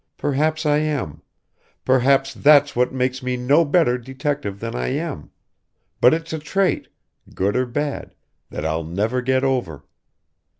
Perhaps I am perhaps that's what makes me no better detective than I am but it's a trait good or bad that I'll never get over.